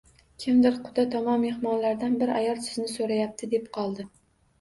Kimdir quda tomon mehmonlardan bir ayol sizni soʻrayapti, deb qoldi